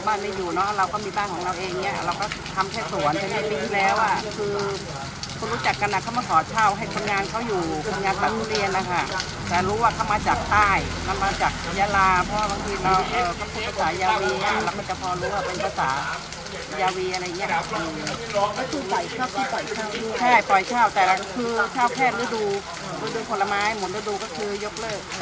เมื่อก่อนเห็นว่ามีคนมาเช่าอยู่ด้วยเหรอครับ